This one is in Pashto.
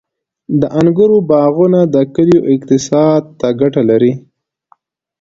• د انګورو باغونه د کلیو اقتصاد ته ګټه لري.